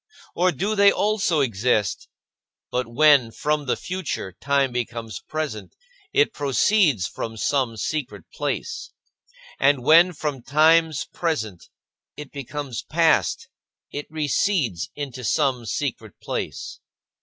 Or do they also exist; but when, from the future, time becomes present, it proceeds from some secret place; and when, from times present, it becomes past, it recedes into some secret place?